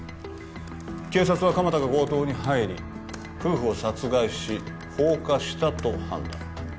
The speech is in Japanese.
警察は鎌田が強盗に入り夫婦を殺害し放火したと判断